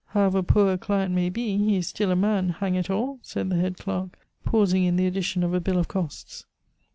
However poor a client may be, he is still a man, hang it all!" said the head clerk, pausing in the addition of a bill of costs.